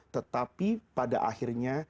tetapi pada akhirnya